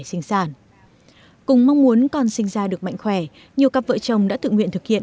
sinh sản cùng mong muốn con sinh ra được mạnh khỏe nhiều cặp vợ chồng đã tự nguyện thực hiện